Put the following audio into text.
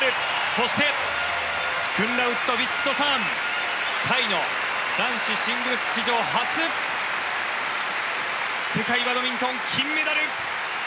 そしてクンラウット・ヴィチットサーンタイの男子シングルス史上初世界バドミントン金メダル。